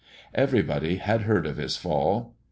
Everybody had heard of his fall.